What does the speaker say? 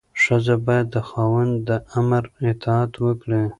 ښځه باید د خاوند د امر اطاعت وکړي.